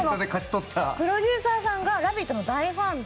プロデューサーさんが「ラヴィット！」の大ファンで。